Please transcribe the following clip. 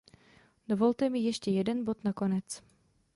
Dovolte mi ještě jeden bod na konec.